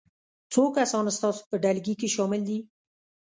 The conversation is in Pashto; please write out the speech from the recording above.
څو کسان ستاسو په ډلګي کې شامل دي؟